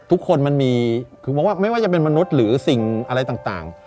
มันมีคือมองว่าไม่ว่าจะเป็นมนุษย์หรือสิ่งอะไรต่าง